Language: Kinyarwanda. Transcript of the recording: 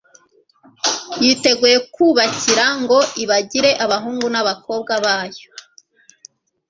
yiteguye kubakira ngo ibagire abahungu n'abakobwa bayo.